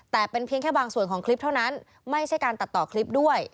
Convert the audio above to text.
แต่เป็นเพียงแค่บางส่วนของคลิปเท่านั้นไม่ใช่การตัดต่อคลิปด้วย